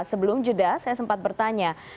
sebelum jeda saya sempat bertanya